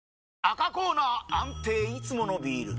赤コーナー安定いつものビール！